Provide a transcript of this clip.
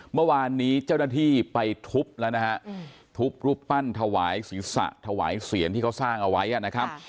เมื่อวานนี้เจ้าหน้าที่ไปทุบแล้วนะฮะทุบรูปปั้นถวายศีรษะถวายเสียรที่เขาสร้างเอาไว้นะครับ